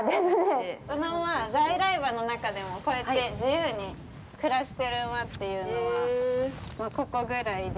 この馬、在来馬の中でも、こうやって自由に暮らしてる馬っていうのは、ここぐらいで。